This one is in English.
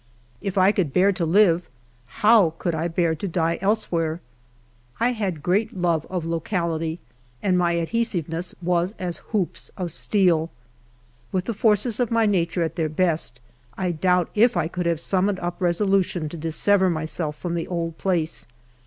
If I could bear to live, how could I bear to die elsewhere 'i 1 had great love of locality, and my ad hesiveness was as hoops of steel. With the forces of my nature at their best, I doubt if I could have summoned up resolution to dissever myself from the old place.